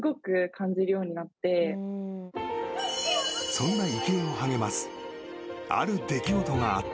そんな池江を励ますある出来事があった。